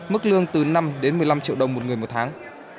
mức lương từ năm đến một mươi năm triệu đồng một người một tháng